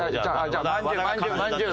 じゃあまんじゅう。